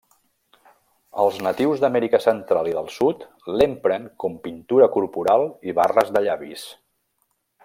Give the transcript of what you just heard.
Els natius d'Amèrica central i del Sud l'empren com pintura corporal i barres de llavis.